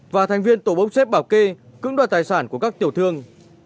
và thành viên tổ bốc xếp bảo kê cưỡng đoạt tài sản của các tiểu thương